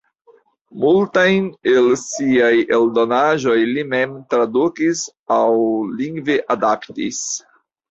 Multajn el siaj eldonaĵoj li mem tradukis aŭ lingve adaptis.